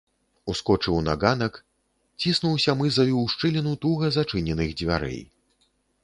Ускочыў на ганак, ціснуўся мызаю ў шчыліну туга зачыненых дзвярэй.